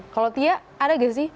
kalau tia ada gak sih